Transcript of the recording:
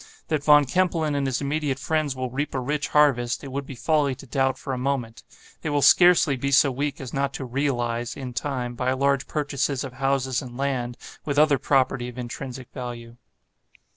That Von Kempelen and his immediate friends will reap a rich harvest, it would be folly to doubt for a moment. They will scarcely be so weak as not to 'realize,' in time, by large purchases of houses and land, with other property of intrinsic value.